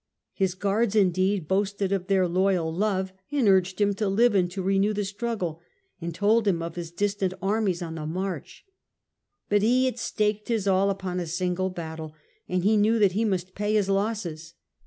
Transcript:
His guards, indeed, boasted of their loyal love, and urged him to live and to renew the struggle, and told him of his distant annies on the march. But he had staked his all upon a single battle, and he knew that he must pay his losses.